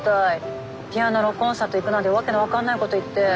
ピアノのコンサート行くなんて訳の分かんないこと言って。